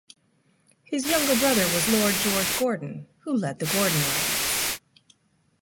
His younger brother was Lord George Gordon who led the Gordon Riots.